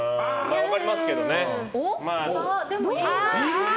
分かりますけどね。